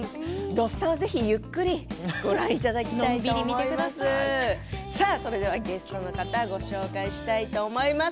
「土スタ」はぜひゆっくりご覧いただきたいと思います。